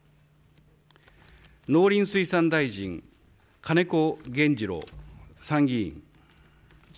農林水産大臣、金子原二郎参議院。